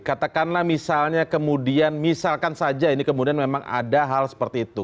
katakanlah misalnya kemudian misalkan saja ini kemudian memang ada hal seperti itu